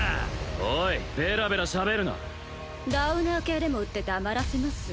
おいベラベラしゃべるなダウナー系でも打って黙らせます？